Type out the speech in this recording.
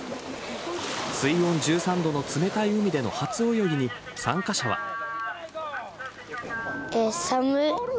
水温１３度の冷たい海での初泳ぎに参加者は。